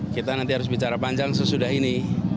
kita nanti harus bicara panjang sesudah ini